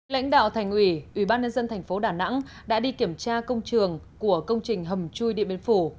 lãnh đạo thành ủy ủy ban nhân dân thành phố đà nẵng đã đi kiểm tra công trường của công trình hầm chui điện biên phủ